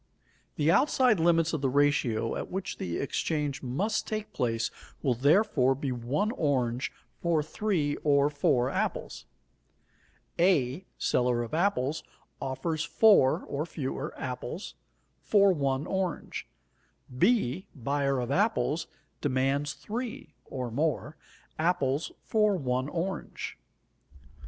The outside limits of the ratio at which the exchange must take place will, therefore, be one orange for three or four apples. A, seller of apples, offers 4 (or fewer) apples for 1 orange. B, buyer of apples, demands 3 (or more) apples for 1 orange.